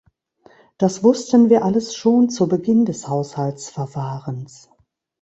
Das wussten wir alles schon zu Beginn des Haushaltsverfahrens.